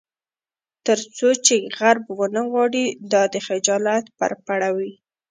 تر څو چې غرب ونه غواړي دا د خجالت پرپړه وي.